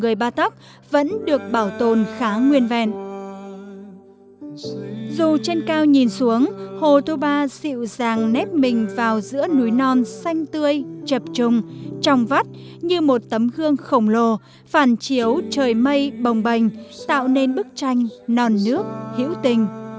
dù trên cao nhìn xuống hồ tô ba dịu dàng nét mình vào giữa núi non xanh tươi chập trùng trong vắt như một tấm gương khổng lồ phản chiếu trời mây bồng bành tạo nên bức tranh non nước hữu tình